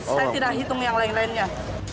saya tidak hitung yang lain lainnya